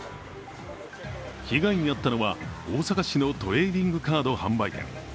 被害に遭ったのは、大阪市のトレーディングカード販売店。